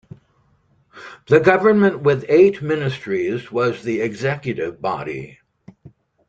The government with eight ministries was the executive body.